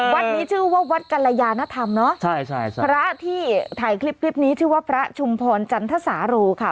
วัดนี้ชื่อว่าวัดกรยานธรรมเนอะใช่ใช่พระที่ถ่ายคลิปคลิปนี้ชื่อว่าพระชุมพรจันทสาโรค่ะ